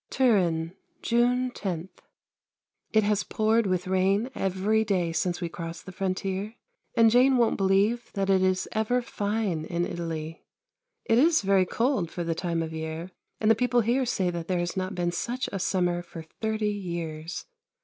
Turin, June 10. It has poured with rain every day since we crossed the frontier, and Jane won't believe that it is ever fine in Italy. It is very cold for the time of year, and the people here say that there has not been such a summer for thirty years.